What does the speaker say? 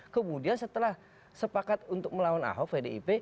kemudian setelah sepakat untuk melawan ahok pdip